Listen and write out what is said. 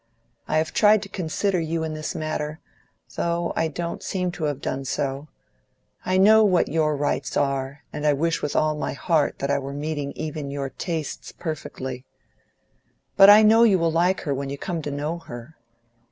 I have tried to consider you in this matter, though I don't seem to have done so; I know what your rights are, and I wish with all my heart that I were meeting even your tastes perfectly. But I know you will like her when you come to know her.